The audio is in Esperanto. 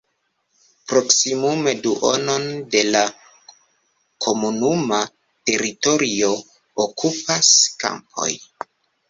Proksimume duonon de la komunuma teritorio okupas kampoj.